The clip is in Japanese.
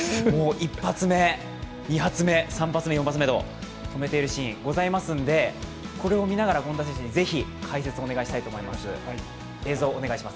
１発目、２発目、３発目、４発目と止めているシーンありますのでこれを見ながら権田さんに是非、解説お願いします。